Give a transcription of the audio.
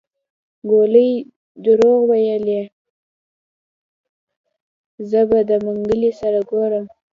ګولي دروغ ويلي زه به د منګلي سره ګورم.